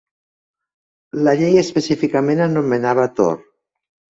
La llei específicament anomenava Tor.